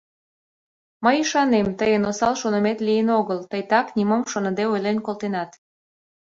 — Мый ӱшанем, тыйын осал шонымет лийын огыл, тый так, нимом шоныде ойлен колтенат...